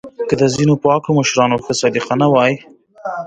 که د ځینو پاکو مشرانو ښه سلیقه نه وای